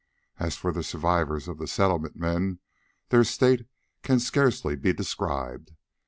As for the survivors of the Settlement men, their state can scarcely be described.